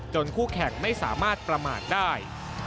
คู่แข่งไม่สามารถประมาทได้